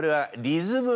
リズム？